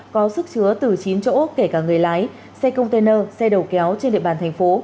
có sức chứa từ chín chỗ kể cả người lái xe container xe đầu kéo trên địa bàn thành phố